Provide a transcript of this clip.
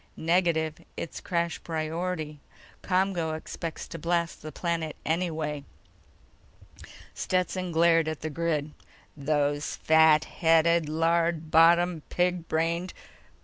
"Negative. It's crash priority. ComGO expects to blast the planet anyway." Stetson glared at the grid. "Those fat headed, lard bottomed, pig brained